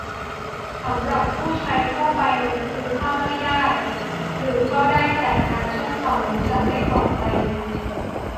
สำหรับผู้ใช้ทั่วไปมันก็คือ "เข้าไม่ได้" หรือเข้าได้แต่การเชื่อมต่อนั้นจะไม่ปลอดภัย